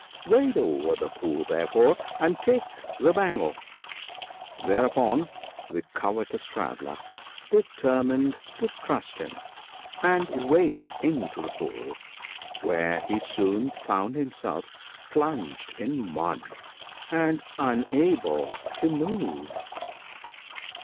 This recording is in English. ' Wade over the pool, therefore, and take the bangle." Thereupon the covetous Traveller determined to trust him, and waded into the pool, where he soon found him self plunged in mud, and unable to move.